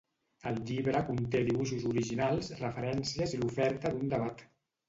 El llibre conté dibuixos originals, referències i l'oferta d'un debat.